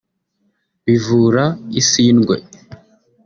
bivura isindwe